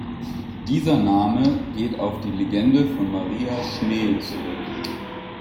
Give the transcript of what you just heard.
Dieser Name geht auf die Legende von Maria Schnee zurück.